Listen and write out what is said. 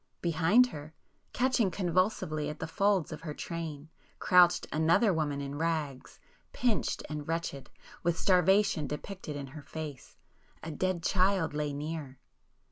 Behind her, catching convulsively at the folds of her train, crouched another woman in rags, pinched and wretched, with starvation depicted in her face,—a dead child lay near.